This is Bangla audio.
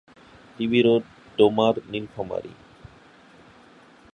DB road, Domar, Nilphamari.